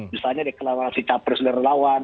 misalnya deklarasi capres dari lawan